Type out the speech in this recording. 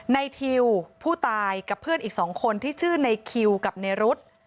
ทิวผู้ตายกับเพื่อนอีก๒คนที่ชื่อในคิวกับในรุธ